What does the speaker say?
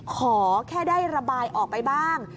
ขอแค่ได้ระบายออกไปบ้าง